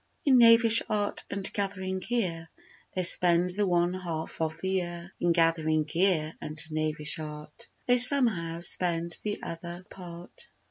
In knavish art and gathering gear They spend the one half of the year; In gathering gear and knavish art They somehow spend the other part.